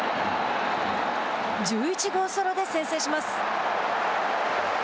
１１号ソロで先制します。